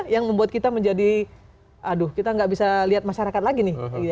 yang membuat kita menjadi aduh kita nggak bisa lihat masyarakat lagi nih